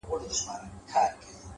• دلته نېستي ده وفا په یار کي,